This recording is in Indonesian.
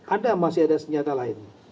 ada masih ada senjata lain